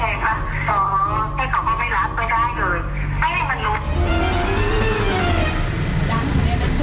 อ๋อเจ้าก็ไม่รับไม่ได้เลยไม่ได้ให้เหมือนรู้